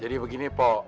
jadi begini pok